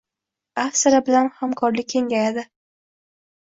Avstriya bilan hamkorlik kengayading